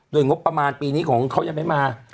โดยงบประมาณปีนี้ของเขายังไม่มา